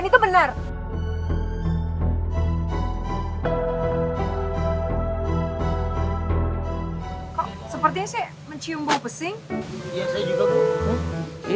itu leland be outra kita